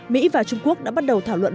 mỹ và trung quốc đã bắt đầu thảo luận